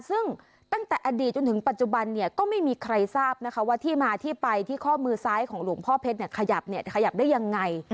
ซึ่งตั้งแต่อดีตจนถึงปัจจุบันเนี่ยก็ไม่มีใครทราบนะคะว่าที่มาที่ไปที่ข้อมือซ้ายของหลวงพ่อเพชรขยับเนี่ยขยับขยับได้ยังไง